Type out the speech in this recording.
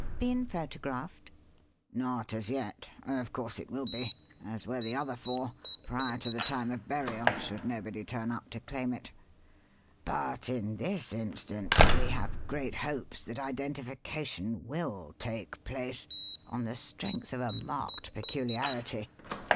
"Been photographed?" "Not as yet. Of course it will be as were the other four prior to the time of burial should nobody turn up to claim it. But in this instance we have great hopes that identification will take place on the strength of a marked peculiarity.